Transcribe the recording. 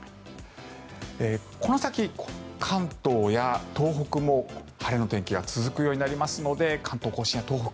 この先、関東や東北も晴れの天気が続くようになりますので関東・甲信や東北